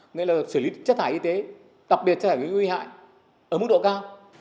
nghĩa là xử lý chất thải y tế đặc biệt chất thải nguy hại ở mức độ cao